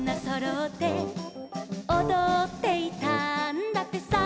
「おどっていたんだってさ」